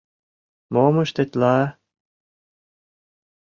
Мом ыштет-ла?